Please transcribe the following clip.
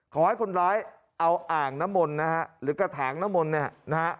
ขอให้คนร้ายเอาอ่างน้ำมนต์นะฮะหรือกระถางน้ำมนต์เนี่ยนะฮะ